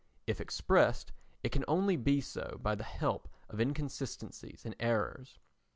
If expressed it can only be so by the help of inconsistencies and errors.